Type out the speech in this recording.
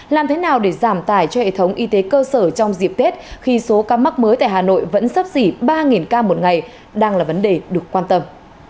làm thế nào để giảm tải cho hệ thống y tế cơ sở trong dịp tết khi số ca mắc mới tại hà nội vẫn sấp xỉ ba ca một ngày đang là vấn đề được quan tâm